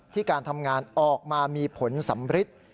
การทำงานออกมามีผลสำริท